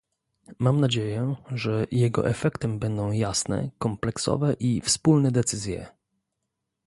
Mam nadzieję, że jego efektem będą jasne, kompleksowe i wspólne decyzje